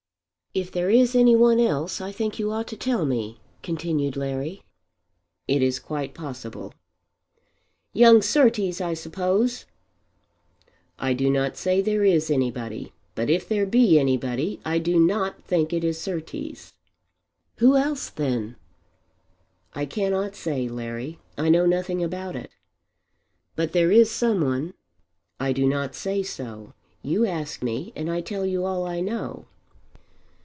"If there is any one else I think you ought to tell me," continued Larry. "It is quite possible." "Young Surtees, I suppose." "I do not say there is anybody; but if there be anybody I do not think it is Surtees." "Who else then?" "I cannot say, Larry. I know nothing about it." "But there is some one?" "I do not say so. You ask me and I tell you all I know."